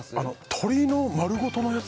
鶏の丸ごとのやつ